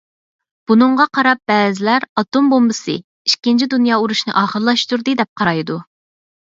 بۇنىڭغا قاراپ بەزىلەر «ئاتوم بومبىسى ئىككىنچى دۇنيا ئۇرۇشىنى ئاخىرلاشتۇردى» دەپ قارايدۇ.